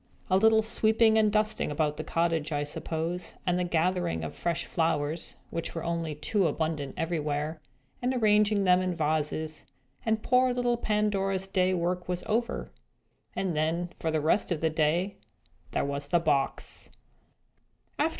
A little sweeping and dusting about the cottage, I suppose, and the gathering of fresh flowers (which were only too abundant everywhere), and arranging them in vases and poor little Pandora's day's work was over. And then, for the rest of the day, there was the box!